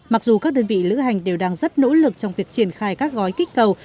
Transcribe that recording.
mặc dù các đơn vị lữ hành đều đang rất nỗ lực trong việc triển khai các gói kích cầu